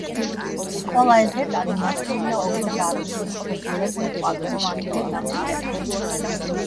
ყველა ეს დეტალი მორთულია ოქროზარნიშით შესრულებული ყვავილოვანი ორნამენტებით.